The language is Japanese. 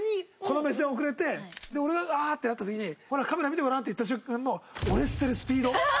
俺がああーってなった時に「ほらカメラ見てごらん」って言った瞬間の俺捨てるスピード。